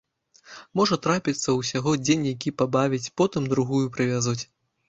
Можа, трапіцца ўсяго дзень які пабавіць, потым другую прывязуць.